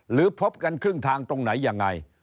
พบกันครึ่งทางตรงไหนยังไง